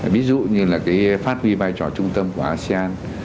ví dụ như phát huy vai trò trung tâm của asean